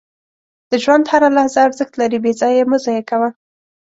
• د ژوند هره لحظه ارزښت لري، بې ځایه یې مه ضایع کوه.